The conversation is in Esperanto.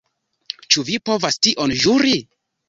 Ĉu vi povas tion ĵuri?